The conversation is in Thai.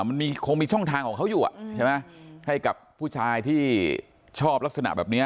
มันมีคงมีช่องทางของเขาอยู่ใช่ไหมให้กับผู้ชายที่ชอบลักษณะแบบนี้